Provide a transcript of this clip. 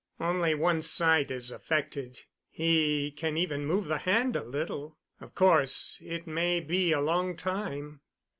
Only one side is affected. He can even move the hand a little. Of course, it may be a long time."